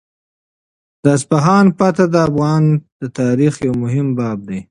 د اصفهان فتحه د افغان تاریخ یو مهم باب دی.